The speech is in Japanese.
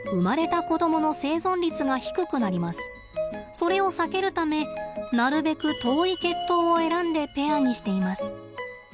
それを避けるためなるべく遠い血統を選んでペアにしています。